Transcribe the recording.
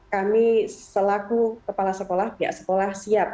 kami selaku kepala sekolah pihak sekolah siap